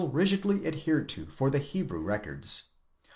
rigidly adhered to for the Hebrew records.